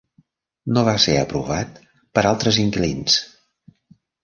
No va ser aprovat pels altres inquilins.